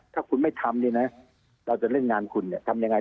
ถ้าคุณไม่ทำเนี่ยนะเราจะเล่นงานคุณเนี่ยทำยังไง